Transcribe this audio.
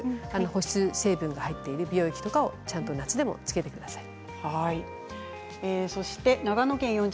保湿成分が入っている美容液とかをちゃんと夏でもつけてください。